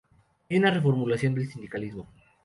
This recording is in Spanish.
Hay una reformulación del sindicalismo.